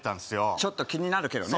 ちょっと気になるけどね